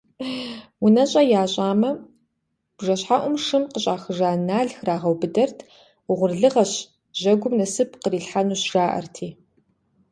УнэщӀэ ящӀамэ, бжэщхьэӀум шым къыщӀахыжа нал храгъэубыдэрт, угъурлыгъэщ, жьэгум насып кърилъхьэнущ жаӀэрти.